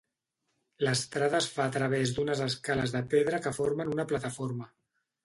L'estrada es fa a través d'unes escales de pedra que formen una plataforma.